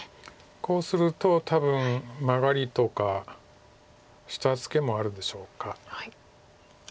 こうすると多分マガリとか下ツケもあるんでしょうか。